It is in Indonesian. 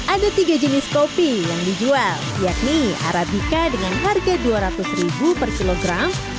ada tiga jenis kopi yang dijual yakni arabica dengan harga dua ratus ribu per kilogram